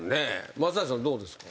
松谷さんどうですか？